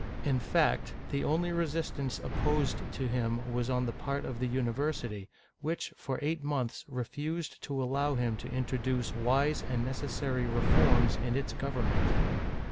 In fact, the only resistance opposed to him was on the part of the university, which, for eight months, refused to allow him to introduce wise and necessary reforms in its government.